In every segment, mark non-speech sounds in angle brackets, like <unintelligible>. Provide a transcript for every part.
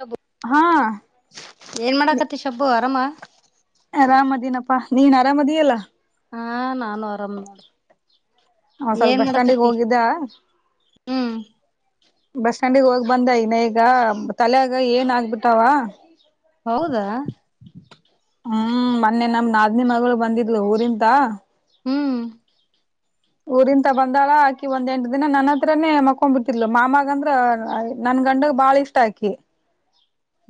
ಶಬ್ಬು ಹಾ ಏನ್ ಮಾಡಾಕತಿ ಶಬ್ಬು ಆರಾಮ ಅರಾಮದೀನಪ್ಪಾ ನೀನ್ ಅರಾಮದಿಿಯಲ್ಲಾ ಹಾ ನಾನು ಆರಾಮ್ ಮಾಡ ಹ ಸ್ವಲ್ಪ ಏನ್ ಬಸ್ ಸ್ಟ್ಯಾಂಡಿಗೆ ಮಾಡಕತಿ ಹೋಗಿದ್ದ ಹ್ಮ್ ಬಸ್ ಸ್ಟ್ಯಾಂಡಿಗೆ ಹೋಗಿ ಬಂದ ಇನ್ನ ಈಗ ತಲೆಾಗ ಏನ್ ಆಗ್ಬಿಟ್ಟಾವ ಹೌದಾ ಹ್ಮ್ ಮೊನ್ನೆ ನಮ್ ನಾದನೇ ಮಗಳು ಬಂದಿದ್ಲು ಊರಿಂತ ಹ್ಮ್ ಊರಿಂತ ಬಂದಳ ಆಕಿ ಒಂದ್ ಎಂಟು ದಿನ ನನ್ನ ಹತ್ರನೆೇ ಮಕ್ಕೊೊಂಡ್ ಬಿಟ್ಟಿರ್ಲ ಮಾಮಗ ಅಂದ್ರ ನನ್ ಗಂಡಗ್ ಬಾಳ ಇ ಇಷ್ಟಾಕಿ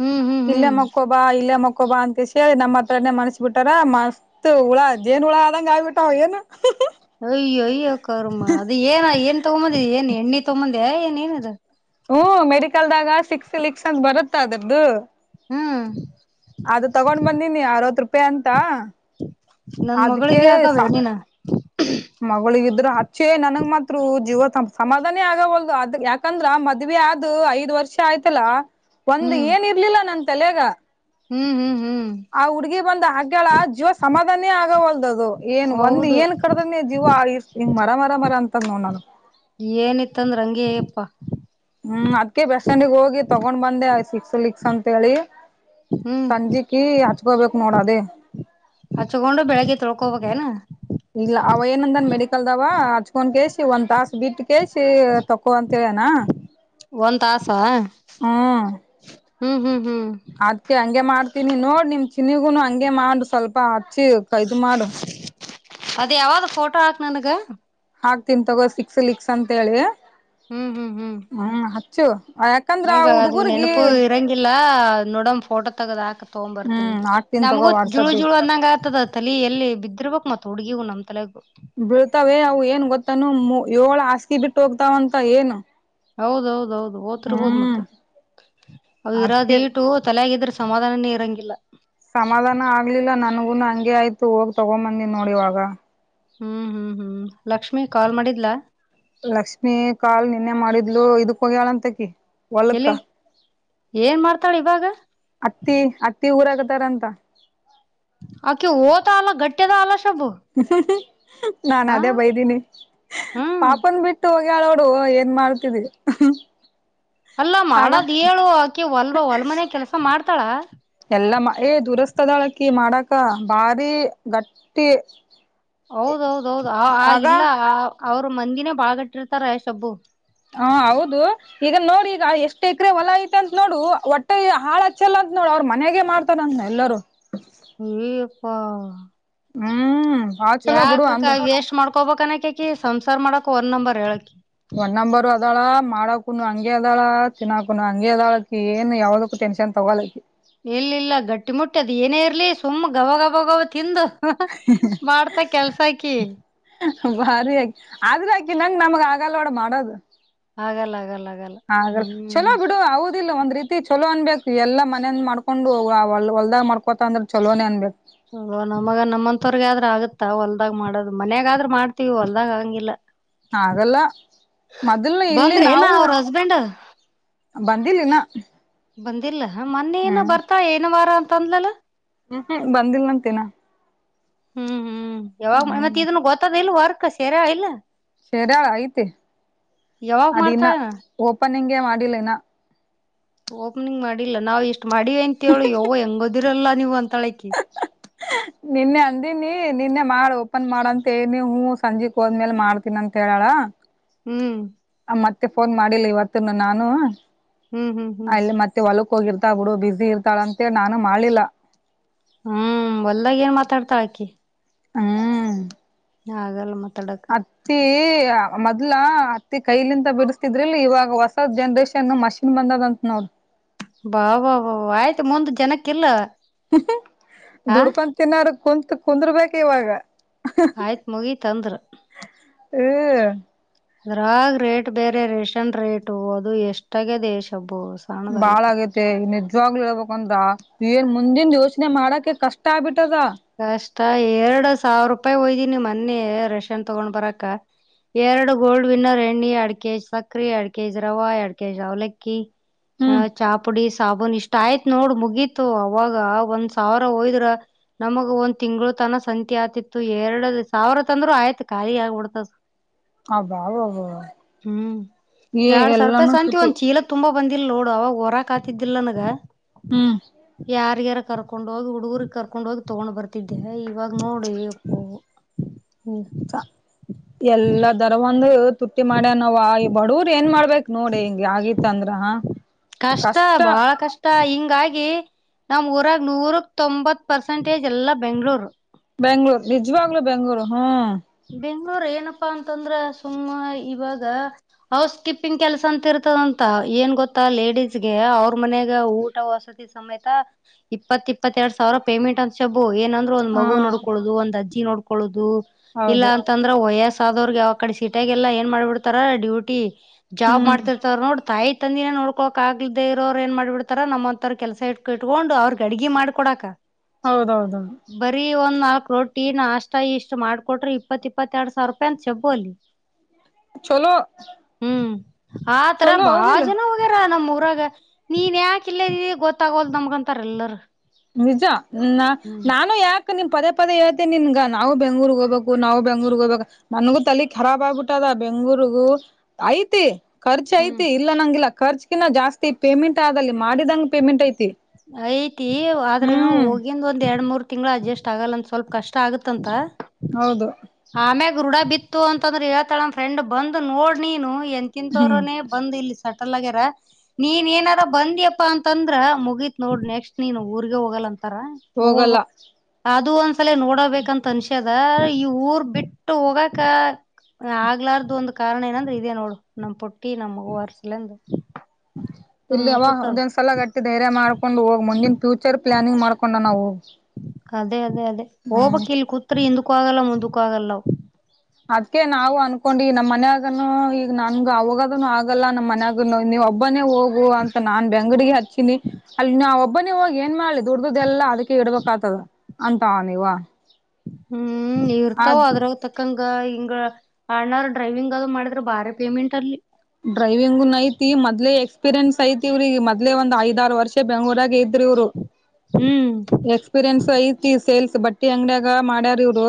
ಹ್ಮ್ ಹ್ಮ್ ಇಲ್ಲೇ ಹ್ಮ್ ಮಕ್ಕೊಬಾ ಇಲ್ಲೇ ಮಕ್ಕೊಬಾ ಅಂತ ಹೇಳಿ ನಮ್ಮ ಹತ್ರರನೆ ಮನ್ಸ್ಬ ಬಿಿಟ್ಟಾರ ಮಸ್ತ್ ಹುಳ ಏನ್ ಉುಳ ಆದಂಗಗೆ ಆಗಿಬಿಟ್ಟಾವ ಏನು ಅಯ್ಯೋ ಅಯ್ಯೋ ಕರ್ಮ ಅದ ಏನ ಏನ್ ತಗೊಂಬಂದಿ ಏನ್ ಎಣ್ಣಿ ತಗೊಂದ್ಯಾ ಏನ್ ಏನದ ಹ್ಮ ಮೆಡಿಕಲ್ದಾಗ ಸಿಕ್ಸ್ ಲಕ್ಸ್ ಅಂದ ಬರುತ್ತ ಅದದ್ದು ಹಾ ಅದು ತಗೊಂಡ್ ಬಂದೀಿನಿ ಅರವತ್ ರೂಪಾಯಿ ಅಂತ ನನ್ ಅದಕ್ಕೆೇ ಮಗಳಿಗೆ ಹಾಕವೇ ಸಾ ನೀನ ಮಗಳಗ ಇದ್ರರು ಹಚ್ಚೆ ನನ್ಗ್ ಮಾತ್ರ ಜೀವ ಸಮಾಧಾನ ಆಗವಲ್ದು ಆದ್ರೆ ಯಾಕ ಯಾಕಂದ್ರ ಮದ್ವಿ ಆದ ಐದ್ ವರ್ಷ ಆಯ್ತಲ್ಲ ಒಂದ ಹ್ಮ್ ಏನ್ ಇರ್ಲಿಲ್ಲ ನನ್ ತಲೆಗ ಹ್ಮ್ ಹ್ಮ್ ಹ್ಮ್ ಆ ಹುಡ್ಗಿ ಬಂದ ಹಾಕೇಳ ಜೀವ ಸಮಾಧಾನೇ ಆಗವಲ್ದದು ಏನ್ ಒಂದ್ ಹೌದು ಏನ್ ಕಡ ಅ ಜೀವ ಆಯ ಹಿಂಗ ಮರ ಮರ ಮರ ಅಂತದ್ ನೋಡ ನಾನು ಏನಿತ್ತ ಅಂದ್ರ ಹಂಗೆ ಅಯ್ಯಪ್ಪಾ ಹ್ಮ್ ಅದಕೆ ಬೆಸ್ ಸ್ಟ್ಯಾಂಡಿಗೆ ಹೋಗಿ ತಗೊಂಡ್ ಬಂದೆ ಸಿಕ್ಸ್ ಲಿಕ್ಸ್ ಅಂತ ಹೇಳಿ ಹ್ಮ್ ಸಂಜಿಕಿ ಹಚ್ಕೋಬೇಕು ನೋಡ ಅದೇ ಹಚ್ಚಕೊಂಡ ಬೆಳಿಗ್ಗೆ ತೊಳ್ಕೋಬೇಕೇನ ಇಲ್ಲ ಅವ ಏನಂದನ್ ಮೆಡಿಕಲ್ದವ ಹಚ್ಕೊಂಡ ಕಸಿ ಒಂದ್ ತಾಸ ಬಿಟ್ಟ ಕಸಿ ತಕ್ಕೋ ಅಂತ ಹೇಳೆನಾ ಒಂದ ತಾಸ ಹ್ಮ್ ಹ್ಮ್ ಹ್ಮ್ ಹ್ಮ್ ಅದಕ್ಕೆ ಹಂಗೆ ಮಾಡ್ತೀನಿ ನೋಡ್ ನಿಮ್ ಚಿನ್ನಿಗುನು ಹಂಗೆ ಮಾಡು ಸ್ವಲ್ಪ ಹಚ್ಚಿ ಕಯ್ದು ಮಾಡು ಅದ್ ಯಾವ್ದ ಫೋಟೋ ಹಾಕ್ ನನಗ ಹಾಕ್ತಿನಿ ತೊಗೋ ಸಿಕ್ಸ್ ಲಿಕ್ಸ್ ಅಂತ ಹೇಳಿ ಹ್ಮ್ ಹ್ಮ್ ಹ್ಮ್ ಹ್ಮ್ ಹಚ್ಚು ಯಾಕಂದ್ರೆ ಆ ಹುಡ್ಗರ್ಗಿ ಇಲ್ಲಾ ನೋಡಮ ಫೋಟೋ ತಗದ್ ಹಾಕ ತಗೋಮ್ ಬರ್ತೀನಿ ಹ್ಮ್ ಹಾಕ್ತೀನ್ ತಗೋ ನಮಗು ಜುಳು ವಾಟ್ಸಪ್ಪಿಗ್ ಜುಳು ಅಂದಂಗ ಆತದ ತಲಿ ಎಲ್ಲಿ ಬಿದ್ದಿರ್ಬಕ್ ಮತ್ತ ಹುಡ್ಗಿಗ ನಮ್ಮ ತಲೆಗ ಬೀಳ್ತಾವೇ ಅವು ಏನ್ ಗೊತ್ತನು ಏಳ ಹಾಸಗಿ ಸ ಬಿಟ್ಟ ಹೋಗತಾವಂತ ಹೇನು ಹೌದೌ ಹೌದೌಹೌದು ಓದತಿರ್ಬೋದು ಮತ್ತೆ ಅ ಇರಾದ ಅದ್ಕೆ ಇಟು ತಲೆಗ ಇದ್ರ ಸಮಾಧನಾನೇ ಇರಂಗಿಲ್ಲ. ಸಮಾಧಾನ ಆಗ್ಲಿಲ್ಲ ನನ್ಗೂನು ಹಂಗೆ ಆಯ್ತು ಹೋಗಿ ತೊಗೊಬಂದಿನ್ ನೋಡ ಈವಾಗ ಹ್ಮ್ ಹ್ಮ್ ಹ್ಮ್ ಲಕ್ಷ್ಮಿ ಕಾಲ್ ಮಾಡಿದ್ಲಾ ಲಕ್ಷ್ಮಿ ಕಾಲ್ ನಿನ್ನೆ ಮಾಡಿದ್ಲು ಇದಕ್ ಹೋಗ್ಯಳ ಅಂತಕಿ ಎಲ್ಲಿ ಏನ್ ಮಾಡ್ತಾಳ ಇವಾಗ ಅತ್ತಿ ಅತ್ತಿ ಊರಾಗ ಅದರಂತ ಆಕೆ ಓದತಾಲ ಗಟ್ಟಿ ಅದಲ್ ಅಲ ಶಬ್ಬು ಹು ಹು ನಾನ್ ಹ ಅದೇ ಬೈದೀನಿ ಹ್ಮ್ ಪಾಪುನ್ ಬಿಟ್ಟು ಹೋಗ <unintelligible> ನೋಡು ಏನ್ ಮಾಡ್ತಿದಿ ಹು ಅಲ್ಲಾ ಮಾಡದ್ ಹೇಳು ಆಕಿ ಹೊಲ್ ಹೊಲ್ ಮನೆಗ ಕೆಲ್ಸ ಮಾಡ್ತಾಳ. ಎಲ್ಲ ಮಾ ಏ ದುರಸ್ಥದಳಕಿ ಮಾಡಾಕ ಭಾರಿ ಗಟ್ಟಿ ಹೌದೌಹೌದೌಹೌದು ಆ ಆಗ ಇಲ್ಲ ಅವರು ಮಂದಿನೇ ಬಾಳ ಗಟ್ಟಿ ಇರ್ತಾರ ಯಶಬ್ಬು ಹಾ ಹೌದು ಈಗ ನೋಡಿ ಈಗ ಎಷ್ಟ್ ಎಕರೆ ಹೊಲ ಐತೆ ಅಂತ ನೋಡು ಒಟ್ಟ ಹಾಳ ಹಚ್ಚಲ್ಲ ಅಂತ ನೋಡು ಅವ್ರ ಮನೆಗೆ ಮಾಡ ಮತ್ತ್ ಎಲ್ಲರೂ ಅಯ್ಯಯ್ಯಪ್ಪ ಹ್ಮ್ ಬಾಳ ಚಲೋ ಬಿಡು ಯಾಕಕಾ ಅಂದ್ರ ವೆಸ್ಟ್ ಮಾಡ್ಕೊಬನಕಕಿ ಸಂಸಾರ್ ಮಾಡಕ ಒನ್ ನಂಬರ್ ಹೇಳಕಿ ಒನ್ ನಂಬರ್ ಅದಾಳ ಮಾಡಕನು ಹಂಗೆ ಅದಾಳ ತಿನ್ನಕು ಹಂಗೆ ಅದಾಳಕಿ ಏನ್ ಯಾವದಕ್ಕ ಟೆನ್ಷನ್ ತಗಾಲಕ್ಕಿ ಇಲ್ಲ ಇಲ್ಲ ಗಟ್ಟಿ ಮುಟ್ಟಿ ಅದ ಏನೇ ಇರ್ಲಿ ಸುಮ್ಮ್ ಗಬ ಗಬ ಗವ ತಿಂದು ಮಾಡ್ತಾ ಕೆಲ್ಸಾಕಿ ಭಾರಿ ಅಕಿ ಆದ್ರ ಅಕಿನಂಗ್ ನಮಗ್ ಆಗಲ್ಲ ನೋಡ ಮಾಡದು ಆಗಲ್ಲ ಆಗಲ್ಲ ಆಗಲ್ಲ ಆಗಲ್ಲ ಹ್ಮ್ ಚಲೋ ಬುಡು ಹೌದ ದಿಲ್ಲ ಒಂದ್ ರೀತಿ ಚಲೋ ಅನ್ಬೇಕ ಎಲ್ಲ ಮನೇಂದ ಮಾಡ್ಕೊಂಡು ಹೊಲ್ದಾಗ್ ಮಾಡ್ಕೋತಳ ಅಂದ್ರ ಚಲೋನೇ ಅನ್ಬೇಕ ಚಲೋ ನಮಗ ನಮ್ಮಂತವರ್ಗಿ ಆದ್ರ ಆಗತ್ತಾ ಹೊಲ್ದಾಗ್ ಮಾಡದ್ ಮನ್ಯಾಗ ಆದ್ರ ಮಾಡ್ತಿವಿ ಹೊಲ್ದಾಗ ಹಾಗಂಗಿಲ್ಲ ಆಗಲ್ಲ ಮೊದಲ್ ಇಲ್ಲಿ ಬಂದ್ರ ಏನ ನಾವು ಅವ್ರ ಹಸ್ಬೆಂಡ್ ಬಂದಿಲ್ಲಿನ ಬಂದಿಲ್ಲ ಮೊನ್ನೆನ ಬರ್ತಾ ಏನ ವಾರ ಅಂತ ಅಂದ್ಲಲ ಹ್ಮ್ ಹ್ಮ್ ಬಂದಿಲ್ಲ ಅಂತಿನಾ ಹ್ಮ್ ಹ್ಮ್ ಯಾವಾಗ ಹ್ಮ್ ಮತ್ತ ಇದನ್ ಗೊತ್ತದ ಇಲ್ ವರ್ಕ್ ಸೆರಾಳ ಇಲ್ಲ ಸೆರ್ಯಾಳ ಐತಿ ಯಾವಾಗ್ ಅದಿನ್ನ ಮಾಡ್ತಾಳ ಓಪನಿಂಗೇ ಮಾಡಿಲ್ಲಿನ ಓಪನಿಂಗ್ ಮಾಡಿಲ್ಲ ನಾವ್ ಇಷ್ಟ್ ಮಾಡಿವಿ ಅಂತೇಳ ಯವ್ವ ಹೆಂಗದಿರಲ್ಲಾ ನೀವು ಅಂತಳಕಿ <unintelligible> ನಿನ್ನೆ ಅಂದಿನಿ ನಿನ್ನೆ ಮಾಡ ಓಪನ್ ಮಾಡಂತ ಹೇಳಿನಿ ಹೂ ಸಂಜಿಕ್ ಹೋದ್ಮೇಲ ಮಾಡ್ತ ತಿನ್ನಂತ ಹೇಳಾಳ ಹ್ಮ್ ಆ ಮತ್ತಿ ಫೋನ್ ಮಾಡಿಲ್ಲ ಇವತ್ತುನು ನಾನು ಹ್ಮ್ ಹ್ಮ್ ಹ್ಮ್ ಅಲ್ಲಿ ಮತ್ತ ಮತ್ತೆ ಹೊಲಕ್ ಹೋಗಿರ್ತಾಳ ಬಿಡು ಬಿಸಿ ಇರ್ತಾಳ ಅಂತೇಳ ನಾನು ಮಾಡ್ಲಿಲ್ಲ ಹ್ಮ್ ಒಲ್ದಾಗ ಏನ್ ಮಾತಾಡ್ತಾಳ ಆಕಿ ಹ್ಮ್ ಆಗಲ್ಲ ಮತ್ತ ಅದ ಅತ್ತಿ ಮೊದ್ಲ ಅತ್ತಿ ಕೈಲಿಂತ ಬಿಡಸ್ತಿದ್ರಿಲ್ಲ ಇವಾಗ ಹೊಸದ್ ಜನ್ರೇಷನ್ ಮ ನ ಬಂದದಂತ ನೋಡ್ ಅಬ್ಬಾಬಬ ಆಯ್ತ ಮುಂದ ಜನಕ್ಕ ಇಲ್ಲ ಆ ದುಡ್ಕೂಂದ ತಿನ್ನೋರ ಕುಂತ್ ಕುಂದರ್ಬೇಕ ಇವಾಗ ಆಯ್ತ ಮುಗಿತಂದರ ಹ್ಮ ಅದ್ರಾಗ ರೇಟ್ ಬೇರೆ ರೇಷನ್ ರೇಟ ಅದು ಎಷ್ಟಾಗದೆ ಶಬು ಬಾಳ ಆಗ್ಯದ ಮತ್ತೆ ನಿಜವಾಗ್ಲ ಹೇಳ್ಬೇಕ ಅಂದ್ರ ಏನ್ ಮುಂದಿನ್ದ ಯೋಚನೆ ಮಾಡಕ ಕಷ್ಟ ಆಗ್ಬಿಟ್ಟದ ಕಷ್ಟ ಎರಡ್ ಸಾವಿರ ರೂಪಾಯಿ ಹೋಯ್ದೀನಿ ಮನ್ನೆ ರೇಷನ್ ತಗೊಂಡ್ ಬರಾಕ ಎರಡು ಗೋಲ್ಡ್ ವಿನ್ನರ್ ಎಣ್ಣಿ ಎಡ್ ಕೆಜಿ ಸಕ್ರಿ ಎಡ್ ಕೆಜಿ ರವಾ ಎಡ್ ಕೆ ಜಿ ಅವಲಕ್ಕಿ ಹ ಹ್ಮ್ ಚಾಹ ಪುಡಿ ಸಾಬೂನ್ ಇಷ್ಟ ಆಯ್ತ್ ನೋಡ್ ಮುಗೀತು ಅವಾಗ ಒಂದ್ ಸಾವಿರ ಹೋಯ್ದ್ರ ನಮಗ ಒಂದ್ ತಿಂಗಳತನ ಸಂತಿ ಆತಿತ್ತು ಎರಡ ಸಾವಿರ ತಂದ್ರರು ಆಯ್ತು ಖಾಲಿ ಆಗ್ಬಿಡ್ತ ಅಬ್ಬಾಬಾಬಾ ಹ್ಮ್ ಏ ಎಡ್ ಸಾವಿರ ರೂಪಾಯಿ ಎಲ್ಲಾನೂ ಸಂತಿ ತುಟಿ ಒಂದ ಚೀಲ ತುಂಬಾ ಬಂದಿಲ್ಲ ನೋಡ ಅವಾಗ ಹೊರಕ ಆತಿದ್ದಿಲ್ಲ ನನ್ಗ ಹ್ಮ್ ಯಾರಿಗ ಯರ ಕರ್ಕೊಂಡ್ ಹೋಗಿ ಹುಡುಗುರಿಗೆ ಕರಕೊಂಡ ಹೋಗಿ ತಗೊಂಡ್ ಬರ್ತಿದ್ದೆ ಇವಾಗ ನೋಡ ಏ ಯಪ್ಪೋ ಸಾ ಎಲ್ಲಾ ದರ ಒಂದು ತುಟ್ಟಿ ಮಾಡ್ಯ ನವು ಬಡವರ್ ಏನ್ ಮಾಡ್ಬೇಕ್ ನೋಡಿ ಹಿಂಗ ಆಗಿ ತಂದ್ರ ಕಷ್ಟ ಬಾಳ ಕಷ್ಟ ಹಿಂಗಾಗಿ ನಮ್ ಊರಾಗ ನೂರಕ್ ತೊಂಬತ್ ಪರ್ಸೆಂಟೇಜ್ ಎಲ್ಲಾ ಬೆಂಗ್ಗಳೂರ ಬೆಂಗ್ಳೂರು ನಿಜವಾಗ್ಲ ಬೆಂಗ್ೂರು ಹ್ಮ ಬೆಂಗ್ಳೂರ್ ಏನಪ್ಪಾ ಅಂತಂದ್ರ ಸುಮ್ಮ ಇವಾಗ ಹೌಸ್ಕಿಪ್ಪಿಂಗ್ ಕೆಲಸ ಅಂತ ಇರ್ತದಂತ ಏನ್ ಗೊತ್ತಾ ಲೇಡಿಸಸ್ ಗೆ ಅವ್ರ ಮನಾಗ ಊಟ ವಸದ ಸಮೇತ ಇಪ್ಪತ್ತ ಇಪ್ಪತ್ತೆರಡು ಸಾವಿರ ಪೇಮೆಂಟ್ ಅಂತ ಶಬು ಏನಂದ್ರೂ ಒಂದ್ ಹಾ ಮಗು ನೋಡ್ಕೊಳ್ಳೋುದು ಒಂದ ಅಜ್ಜಿ ನೋಡ್ಕೊಳ್ಳೋುದು ಇಲ್ಲಾ ಹೌದು ಅಂತಂದ್ರ ಅಂದ್ರ ವಯಸ್ ಆದವ್ರಿಗೆ ಯಾವ ಕಡೆ ಸೀಟಾಗಲ್ಲ ಏನ್ ಮಾಡ್ಬಿಡ್ತಾರ ಡ್ಯೂಟಿ ಜಾಬ್ ಹ್ಮ್ ಮಾಡ್ತಿರ್ತವ ನೋಡ್ತಾ ಆಯ್ತ ತಂದಿನ ನೋಡ್ಕೊಕ್ ಆಗ್ಲೇ ಇರೋವ್ ಏನ್ ಮಾಡ್ಬಿಡ್ತಾರ ನಮ್ಮ್ಂಂತವ ಕೆಲಸ ಇಟ್ಕ ಇಟ್ಕೊಂಡು ಅವ್ರಗ್ ಅಡಿಿ ಮಾಡ್ಕೊಡಕ್ ಹೌದೌದು ಬರೀ ಒಂದ್ ನಾಲ್ಕ್ು ರೋಟಿ ನ ಅಷ್ಟ ಇಷ್ಟು ಮಾಡ್ ಕೊಟ್ರೆ ಇಪ್ಪತ್ತ ಇಪ್ಪತ್ತ ಎರಡ್ಾವರ ರೂಪಾಯಿ ಅಂತ ಶಬೋಲಿ ಚಲೋ ಹ್ಮ್ ಆ ತರ ಚಲೋ ಬಾಳ ಹೌದಿಲ್ಲ ಜನ ರ ನಮ್ ಊರಾಗ ನೀನ್ ಯಾಕ ಇಲ್ಲೇದಿ ಗೊತ್ತಾಗೋಲ್ ನಮ್ಗಂತಾರ ಎಲ್ಲರು ನಿಜ ಹ ಹ್ಮ್ ನಾನು ಯಾಕೆ ನೀನ್ ಪೇ ಪದೇಳ್ೇಿನ್ಗ ನಾವು ಬೆಂಗ್ೂಗ್ ಹೋಗಬೇಕು ನಾವು ಬೆಂಗ್ೂರ್ಗ್ ಹೋಗಬೇಕಕ್ ನನ್ಗು ತಲೆ ಖರಾಬ್ ಆಗ್ಬಿಟ್ಟದ ಬೆಂಗ್ಳೂರ್ಗು ಐ್ತಿ ಖರ್ಚು ಹ್ಮ್ ಐತಿ ಇಲ್ಲ ನಂಂಗಿಲ್ಲ ಖರ್ಚಗಿ ಜಾಸ್ತಿ ಪೇಮೆಂಟ್ ಆಲ್ಲಿ ಮಾಡಿದಂಗೆ ಪೇಮೆಂಟ್ ಐತಿ ಐತಿ ಆದ್ರೇನು ಹ್ಮ್ ಹೋಗಿಂದ ಒಂದ್ ಎರಡ್ ಮೂರ್ ತಿಂಗಳು ಅಡ್ಜಸ್ಟ್ ಆಗಲ್ಲಂದ ಸ್ವಲ್ಪ ಕಷ್ಟ ಆಗುತ್ತಂತ ಹೌದು ಆಮ್ಯಾಗ ೃಢ ಬಿತ್ತು ಅಂತಂದ್ರ ಹೇಳ್ತಾಳ ನಮ್ಮ ಫ್ರೆಂಡ್ ಬಂದ್ ನೋಡ್ ನೀನು ಎ ಹ್ಮ್ ಕಿಂತವ್ರನೆ ಬಂದ್ ಇಲ್ಲಿ ಸಟಲ್ ಆಗ್ಯಾರ ನೀನ್ ಏನಾರ ಬಂದ್ಯಪ್ಪಾ ಅಂತಂದ್ರ ಮುಗ ನೋಡ್ ನೆಕ್ಸ್ಟ್ ನೀನು ಊರ್ಗೆ ಹೋಗಲ್ಲ ಅಂತಾರ ಹೋಗಲ್ಲ ನೋಡ್ಬಕ್ ಅದು ಒಂದ್ಸಲ ನೋಡಬೇಕಂತ ಅನ್ಸ್ಯದ ಈ ಊರ್ ಬಿಟ್ಟ ಹೋಗಕ ಆಗ್ಲಾರ್ದು ಒಂದ ಕಾರಣ ಏನಂದ್ರೆ ಇದೇ ನೋಡು ನಮ್ ಪುಟ್ಟಿ ನಮ್ಗುವರ್ಸಲಂದು ಇಲ್ಲ ಒಂದೊಂದ್ ಸಲ ಗಟ್ಟ ಧೈರ್ಯ ಮಾಡಕೊಂಡು ಹೋಗ್ ಮುಂದಿನ ಫ್ಯೂಚರ್ ಪ್ಲಾನಿಂಗ್ಕೊಂಡ ನಾವು ಅದೇ ಅದೇ ಅದೇ ಹ್ಮ್ ಹೋಗಬಕ್ ಇಲ್ ಕೂತ್ರಿ ಹಿಂದಕ್ಕೂ ಆಗಲ್ಲ ಮುಂದಕ್ಕೂ ಆಗಲ್ಲ ಅದ್ಕ ನಾವು ಅನ್ಕೊಂಡು ನಮ್ಮ ಮನ್ಯಾಗನು ಈಗ ನನ್ ಅವಾಗದನು ಆಗಲ್ಲಾ ನಮ್ಮ ಮನ್ಯಾಗ ನೀ ಒಬ್ಬನೇ ಹೋಗು ಅಂತ ನಾನ್ ಬೆಂಗಡಿಗೆ ಹಚ್ಚಿನಿ ಅಲ್ಲಿ ನಾವ ಒಬ್ಬನ ಹೋಗಿ ಏನ್ ಮಾಡ್ಲಿ ದುಡ್ಡ್ದ್ದ ಎಲ್ಲಾ ಅದಕ್ಕೆ ಇಡ್ಬೇಕ ಆತದ ಅಂತಾವ ನೀವ ಹ್ಮ್ ಇರ್ತಾವ ಅದ್ ಅದ್ರವ ತಕ್ಕಂಗ ಹಿಂಗ ಅಣ್ಣಾರ ಡ್ರೈವಿಂಗ್ ಅದು್ ಮಾಡಿದ್ರೆ ಬಾರಿ ಪೇಮೆಂಟ್ ಅಲ್ಲಿ ಡ್ರೈವಿಂಗ್ ಐತಿ ಮದ್ಲೆ ಎಕ್ಸ್ಪೀರಿಯನ್ಸ್ ಐತಿ ಇವ್ರಿಗೆ ಮೊದ್ಲೆ ಒಂದ ಐದಾರು ವರ್ಷ ಬೆಂಗಗಳೂಾಗ ಐತಿ ಹ್ಮ್ ಎಕ್ಸ್ಪೀರಿಯನ್ಸ್ ಐತಿ ಸೇಲ್ಸ್ ಬಟ್ ಅಂಗಡಿಯಾಗ ಮಾಡ್ಯಾರ ಇವ್ರು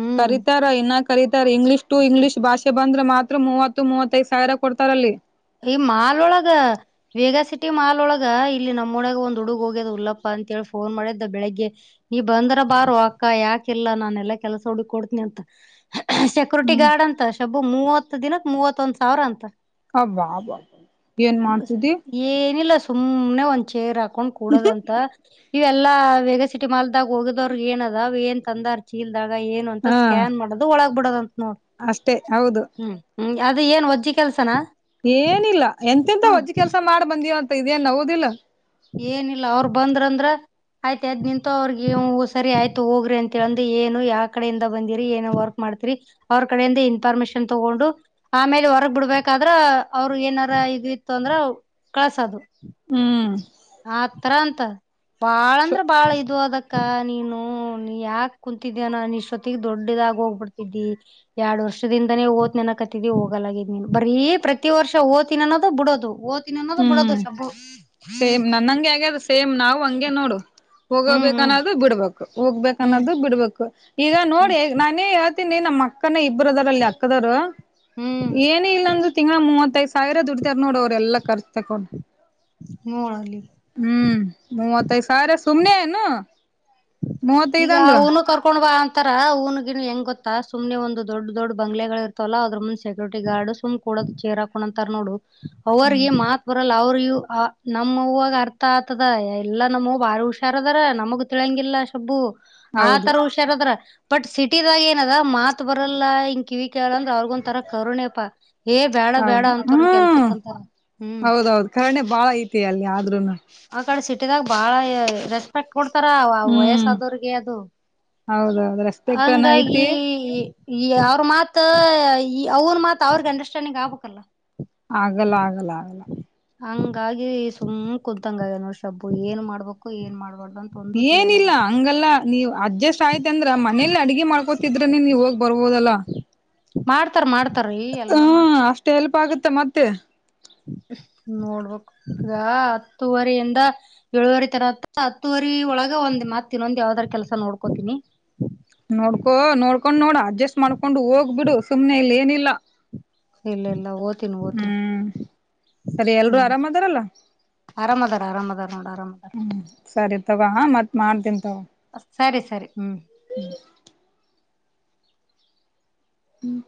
ಹ್ಮ್. ಕರತಾರ ಇನ್ನಕ್ ಕರೀತಾರೆ ಇಂಗ್ಲೀಷ್ ಟು ಇಂಗ್ಲಿಷ್ ಭಾಷೆ ಬಂದ್ರೆ ಮಾತ್ರತ್ವತ್ತು ಮೂವತ್ತೈದ್ ಸಾವಿರ ಕೊಡ್ತಾರ ಅಲ್ಲಿ ಈ ಮಾಲ್ೊಳಗ ಬೇಗ ಸಿಟಿ ಮಾಲ್ ಒಳಗ ಇಲ್ಲಿ ನಮ್ಮಡಾಗ ಒಂದ್ ಹುಡುಗ ಹೋಗ್ಯದ್ ಉಲ್ಲಪ್ಪ ಅಂತೇಳಿ ಫೋನ್ ಮಾಡಿದ್ದ ಬೆಳಿಗ್ಗೆ ನೀ ಬಂದ್ರ ಬಾರು ಅಕ್ಕ ಯಾಕೆಲ್ಲಾ ನಾನ ಎಲ್ಲಾ ಕೆಲ್ಸ ಹುಡುಕ್ ಕೊಡ್ತನಿ ಅಂತ ಸೆಕ್ಯೂರಿಟಿ ಹ್ಮ್ ಗಾರ್ಡ್ ಅಂತ ಶಬ್ಬು ಮೂವತ್ ದಿನಕ್ ಮೂವತ್ತ ಒಂದ್ ಸಾವಿರ ಅಂತ ಅವ್ವಾ ಅವ ಏನ್ ಮಾಡ್ತಿದ್ದಿ.. ಏನಿಲ್ಲ ಸುಮ್ನೆ ಒಂದ್ ಚೇರ್ ಹಾಕೊಂಡ್ ಕುೂಡದಂತ.. ಇವೆಲ್ಲಾ ಬೇಗ ಸಿಟಿ ಮಾಲ್ದಾಗ ಹೋಗಿದವ್ರಿಗೆ ಏನದ ಏನ್ ತಂದಾರ್. ಚೀಲ್ದಾಗ ಏನು ಅಂತ ಹಾ ಸ್ಕ್ಯಾನ್ ಮಾಡದು ಒಳಗ್ ಬಿಡದ ಅಂತ ನೋಡಿ. ಅಷ್ಟೇ ಹೌದು.. ಹ್ಮ್ ಹ್ಮ್ ಅದ ಏನ್ ಒಜ್ಜಿ ಕೆಲ್ಸನಾ.. ಏನಿಲ್ಲ ಎಂತೆಂತ ಹ್ಮ ವಜ್ಜ ಕೆಲ್ಸ ಮಾಡ್ ಬಂದೀವಂತ ಇದೇನ್ ನೋವುದಿಲ್ಲ. ಏನಿಲ್ಲ ಅವ್ರ ಬಂದ್ರಂದ್ರ. ಆಯ್ತು ಅದ್ ನಿಂತು ಅವ್ರಿಗ ಸರಿ ಆಯ್ತು ಹೋಗ್ರಿ ಅಂತೇಳ್ ಏನು ಯಾವ ಕಡೆಯಿಂದ ಬಂದಿರಿ ಏ ವರ್ಕ್.. ಮಾಡ್ತರಿ ಅವ್ರ ಕಡೆಯಿಂದ ಇನ್ಫಾರ್ಮೇಶನ್ ತಗೊಂಡು.. ಆಮೇಲೆ ಹೊರಗ್ ಬಿಡ್ಬೇಕಾದ್ರ ಅವರು ಏನಾರ ಇದ ಇತ್ತು ಅಂದ್ರ ಕಳ್ಸದು.. ಹ್ಮ್.. ಆ ಹತ್ರ ಅಂತ ಬಾಳ ಅಂದ್ರ ಬಾಳ ಇ್ ಅದಕ್.. ಅಕ್ಕ ನೀನು ಯಾಕ ಕುಂತಿದ್ದೀ ನಾನನ್ ಇಷ್ಟೊತ್ತಿಗೆ ದೊಡ್ಡದಾಗ ಹೋಗ್ಬಿಡ್ತಿದ್ದಿ.. ಎರಡ್ ವರ್ಷದಿಂದಾನೇ ಓದ್ ನೆನ ಕತ್ತತಿದಿ ಹೋಗಲಾಗಿದ್ ನೀನ್ ಬರೀ ಪ್ರತಿ ವರ್ಷ ಓ್ತಿನಿ ಅನ್ನೋದು ಬಿಡದು ಓ್. ನ್ನನ್ನದು ಹ್ಮ್ ಬಿುಡದುಷಬ್ಬು. ಸೇಮ್ ನನ್ನಂಗೆ ಆಗ್ಯದು ಸೇಮ್ ನಾವು ಹಂಗೆ ನೋಡು ಹ್ಮ್ ಹ್ಮ್ ಹೋಗೋಬೇಕನ್ನದು ಬಿಡ್ಬು. ಹೋಗ್ಬೇಕ ಹ್ಮ್ ಅನ್ನೋದು ಬಿಡ್ಬೇಕು ಈಗ ಹ್ಮ್ ನೋಡಿ. ನಾನೇ ಹೇಳ್ತೀನಿ ನಮ್ಮ್ ಅಕ್ಕನ ಇಬ್ಬರುದಾರ ಅಲ್ಲಿ ಅಕ್ಕದವರು ಹ್ಮ್ ಏನ್. ಮ ಇಂದು ತಿಂಗಗಳ ಮೂವತ್ತೈದು ಸಾವಿರ ದುಡ್ತಾರ್ ನೋಡ ಅವ್ರ ಎಲ್ಲಾ ಖರ್ಚ್ ತಕೊಂಡು... ನೋಡಲ್ಲಿ.. ಹ್ಮ್ ಮೂವತ್ತೈದ್ ಸಾರ ಸುಮ್ನೆ ಏನು... ಮೂವತ್ತೈದ್ ಈಗ ಅಂದ್ರ ಹನು ಕರ್ಕೊಂಡ್ ಬ. ತರ ಊನ್ಗಿನ್ ಹೆಂಗ ಗೊಾ ಸು್ನೆ ಒಂದು ದೊಡ್ಡ ದೊಡ್ ಬಂಗ್ಗಳ ಇರ್ತವಲ್ಲ ಅದ್ರ ಮುಂದ ಸೆಕ್ಯೂರಿಟಿ ಗಾರ್ಡ್ ಸುಮ್.. ಕೊಡೋದು ಚೇರ್ ಹಾಕೊಂಡಂತಾರ ನೋಡು ಅವ್ರಿಗೆ ಮಾತ್ ಬರಲ್ಲ ಅವ್ರೂ ಆ... ನಮ್ಮ ಹೂವಾಗ ಅರ್ಥ ಆತದ ಎಲ್ಲಾ ನಮ್ಮ ಹೂ ಬಾರಿ ಹುಷಾರದಾರ ನಮಗ ತಿಳಂಗಿಲ್ಲ ಶಬ್ಬು. ಹೌದು ಆತರ ಹುಷಾರದ್ರ ಬಟ್ ಸಿಟಿದಾಗ ಏನ ಅದ ಮಾತ್ ಬರಲ್ಲ ಕಿವಿ ಕೇಳಂದ ಅವ್ರಗ ಒಂ ತರ ಕರುಣೆಪಾ ಏ ಬೇಡ ಬೇಡ ಕರ್ಣ ಅಂತಾರ ಹ್ಮ್ ಕೆಲ್ಸಕ್ ಅಂತ ಹೌದೌದು ಕರ್ಣೆ ಬಾಳ ಐತಿ ಅಲ್ಲಿ ಆದ್ೂನು ಆ ಕಡೆ ಸಿಟಿದಾಗ ಬಾಳ ರೆಸ್ಪೆಕ್ಟ್ ಕೊಡ್ತಾರ ವಯಸ್ ಹ್ಮ್ ಆದವ್ರಿಗೆ ಅದು ಹೌದೌದು ರೆಸ್ಪೆಕ್ಟ್ ಅನ್ನ ಹಂಗಾಗಿ ಐತಿ ಈ ಅವ್ರ ಮಾತ್ ಅವನ್ ಮಾತ್ ಅವ್ರಗೆ ಅಂಡರ್ಸ್ಟ್ಯಾಂಡಿಂಗ್ ಆಗ್ಬೇಕಕ್ಲ್ಲ ಆಗಲ್ಲ ಆಗಲ್ಲ ಆಗಲ್ಲ ಹಂಗಾಗಿ ಸುಮ್ ಕುಂತಂಗಗ ನೋ ಶಬ್ಬು ಏನ್ ಮಾಡ್ಬೇಕು ಏನ್ ಮಾಡ್ಬ್ದು ಅಂತ ಒಂದು ಏನಿಲ್ಲ ತಿಳಿಯಲಾಗ್ಯದ ಹಂಗಲ್ಲ ನೀವ್ ಅಡ್ಜಸ್ಟ್ ಆಯ್ತ ಅಂದ್ರ ಮನೇಲಿ ಅಡಗೆ ಮಾಡ್ಕೋತಿದ್ರನೆ ನೀವ ಹೋಗ್ ಬರ್ಬೋದಲ್ಲಾ ಮಾಡ್ತಾರ ಮಾಡ್ತಾರೀ ಎಲ್ಲಾ ಮಾಡ್ತಾರ ತೆಲ್ಪ ಆಗುತ್ತೆ ಮತ್ತೆ ನೋಡ್ಬೇಕು ಈಗ ಹತ್ತೂುವರಿಯಿಂದ ಏಳುವರಿ ತರತ್ತ ಹತ್ತುವರಿ ಒಳಗ ಒಂದ್ ಮಾತಿನಂದ ಯಾವ್ದಾರ ಕೆಲಸ ನೋಡ್ಕೊತೀಿನಿ ನೋಡ್ಕೊ ನೋಡ್ಕೊಂಡ್ ನೋಡ ಅಡ್ಜಸ್ಟ್ ಮಾಡ್ಕೊಂಡು ಹೋಗ್ಬಿಡು ಸುಮ್ನೆ ಇಲ್ಲಿ ಏನಿಲ್ಲಾ ಇಲ್ಲ ಇಲ್ಲ ಓ್ತೀನಿ ಓತೀನಿ ಹ್ಮ್ ಸರಿ ಎಲ್ರೂ ಹ್ಮ್ ಆರಾಮದಾರಲ್ಲ ಆರಾಮ ಅದಾರ ಆರಾಮ ಅದ ನೋಡ ಆರಾಮ ಅದ ಹ್ಮ ಸರಿ ತಗೋ ಹ ಮತ್ತ ಮಾಡ್ತೀನಿ ತಗೋ ಸರಿ ಸರಿ ಹ್ಮ್ ಹ್ಮ್ ಹ್ಮ್